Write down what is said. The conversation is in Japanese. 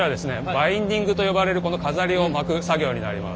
バインディングと呼ばれるこの飾りを巻く作業になります。